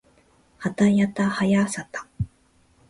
はたやたはやさた